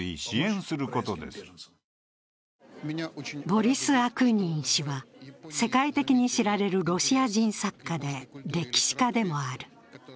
ボリス・アクーニン氏は、世界的に知られるロシア人作家で歴史家でもある。